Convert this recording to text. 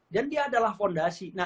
dan dia adalah fondasi